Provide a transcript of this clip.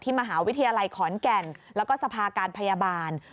มหาวิทยาลัยขอนแก่นแล้วก็สภาการพยาบาล